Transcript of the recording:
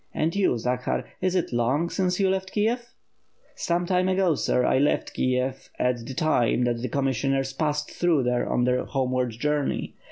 And you, Zakhar, is it long since you left Kiev?" "Some time ago, sir, J left Kiev at the time that the com missioners passed through there on their homeward journey.